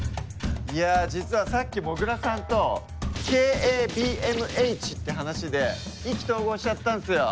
いや実はさっきもぐらさんとＫＡＢＭＨって話で意気投合しちゃったんすよ。